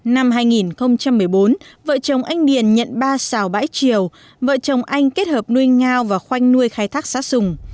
năm hai nghìn một mươi bốn vợ chồng anh điền nhận ba xào bãi triều vợ chồng anh kết hợp nuôi ngao và khoanh nuôi khai thác xá sùng